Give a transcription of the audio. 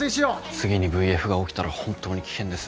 次にＶＦが起きたら本当に危険です。